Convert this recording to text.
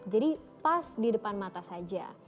jadi pas di depan mata saja